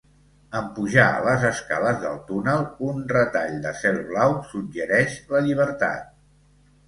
En pujar les escales del túnel un retall de cel blau suggereix la llibertat.